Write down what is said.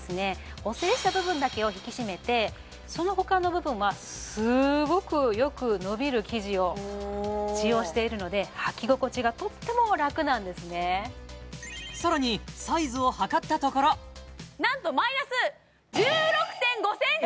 補整した部分だけを引き締めてそのほかの部分はすごくよく伸びる生地を使用しているのではき心地がとっても楽なんですね更にサイズを測ったところなんとええ！？